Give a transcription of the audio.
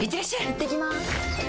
いってきます！